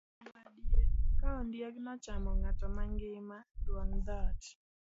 Kuom adier, ka ondiegno ochamo ng'ato mangima, dwong' dhoot.